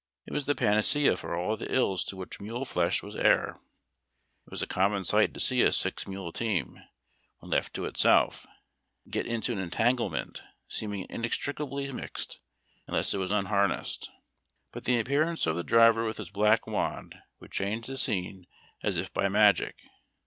It was the panacea for all the ills to which mule flesh was heir. It was a common sisjlit to see a six mule team, when DISMOUNTED. left to itself, get into an entanglement, seeming inextricably mixed, unless it was unharnessed ; but the appearance of the driver with his black wand would change the scene as if by magic.